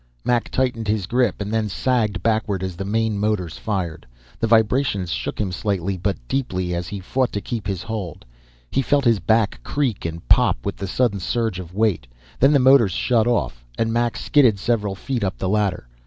Mac tightened his grip, and then sagged backward as the main motors fired. The vibrations shook him slightly but deeply, and he fought to keep his hold. He felt his back creak and pop with the sudden surge of weight. Then the motors shut off, and Mac skidded several feet up the ladder.